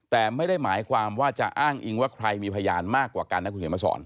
แต่ไม่ได้หมายความว่าจะอ้างอิงว่าใครมีพยานมากกว่ากันนะคุณเขียนมาสอน